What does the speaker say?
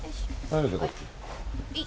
はい。